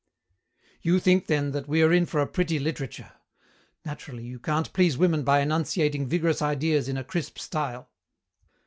"You think, then, that we are in for a pretty literature. Naturally you can't please women by enunciating vigorous ideas in a crisp style."